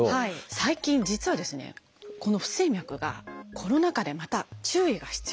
最近実はですねこの不整脈がコロナ禍でまた注意が必要だといわれているんです。